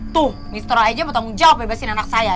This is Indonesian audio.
tuh miskal aja mau tanggung jawab bebasin anak saya